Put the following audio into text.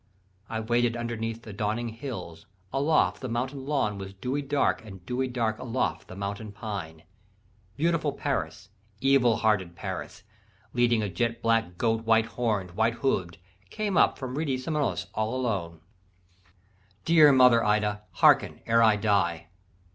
I waited underneath the dawning hills, Aloft the mountain lawn was dewy dark, And dewy dark aloft the mountain pine: Beautiful Paris, evil hearted Paris, Leading a jet black goat white horn'd, white hooved, Came up from reedy Simois all alone. "Dear mother Ida, harken, ere I die.